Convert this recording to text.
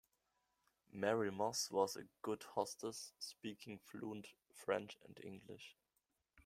Mary Moss was a good hostess, speaking fluent French and English.